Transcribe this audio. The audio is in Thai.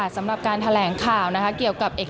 สำหรับการแถลงข่าวเกี่ยวกับ